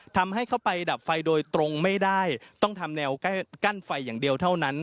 ทำให้เข้าไปดับไฟโดยตรงไม่ได้ต้องทำแนวกั้นไฟอย่างเดียวเท่านั้น